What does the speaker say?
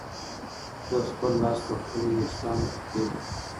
ده خپل لاس په خپلو وېښتانو کې تېر کړ.